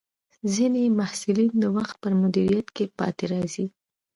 ځینې محصلین د وخت پر مدیریت کې پاتې راځي.